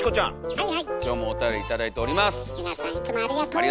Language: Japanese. はい？